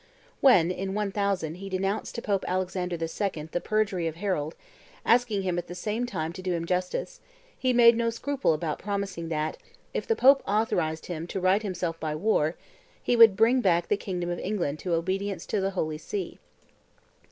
When, in 1000, he denounced to Pope Alexander II. the perjury of Harold, asking him at the same time to do him justice, he made no scruple about promising that, if the Pope authorized him to right himself by war, he would bring back the kingdom of England to obedience to the Holy See.